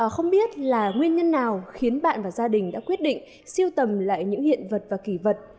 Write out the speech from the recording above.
không biết là nguyên nhân nào khiến bạn và gia đình đã quyết định siêu tầm lại những hiện vật và kỳ vật